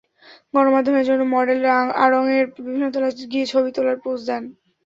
গণমাধ্যমের জন্য মডেলরা আড়ংয়ের বিভিন্ন তলায় গিয়ে ছবি তোলার পোজ দেন।